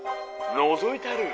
のぞいたる。